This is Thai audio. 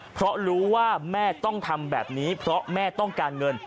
เพราะรู้ว่าแม่ต้องทำแบบนี้เพราะแม่ต้องการเงิน